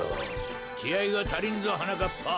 きあいがたりんぞはなかっぱ。